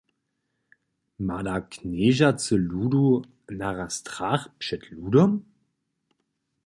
Ma da knježacy ludu naraz strach před ludom?